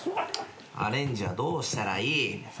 アレンジはどうしたらいい？